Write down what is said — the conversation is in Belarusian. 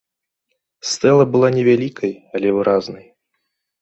Стэла была невялікай, але выразнай.